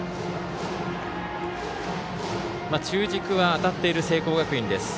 中軸は当たっている聖光学院です。